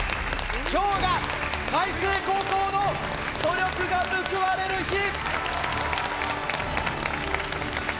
今日が開成高校の努力が報われる日！